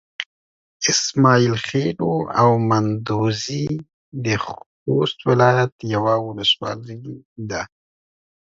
اسماعيل خېلو او مندوزي د خوست ولايت يوه ولسوالي ده.